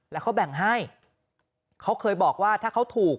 แล้วเขาแบ่งให้เขาเคยบอกว่าถ้าเขาถูก